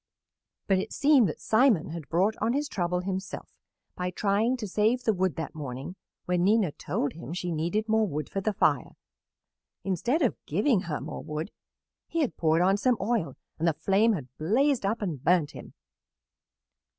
But it seemed that Simon had brought on his trouble himself by trying to save the wood that morning when Nina told him she needed more wood for the fire. Instead of giving her more wood he had poured on some oil and the flame had blazed up and burnt him.